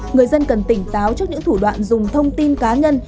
người dân cần tỉnh táo trước những thủ đoạn dùng thông tin cá nhân